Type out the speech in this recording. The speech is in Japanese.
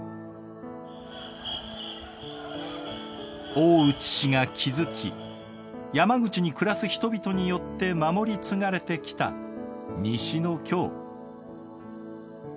大内氏が築き山口に暮らす人々によって守り継がれてきた西の京。